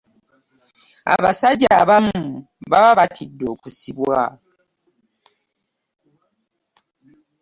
abasajja abamu baba batidde okusibwa.